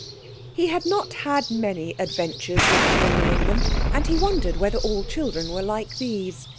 He had not had many adventures with children in them, and he wondered whether all children were like these.